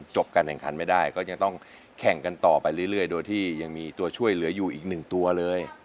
การแข่งขันไม่ได้ก็ยังต้องแข่งกันต่อไปเรื่อยโดยที่ยังมีตัวช่วยเหลืออยู่อีกหนึ่งตัวเลย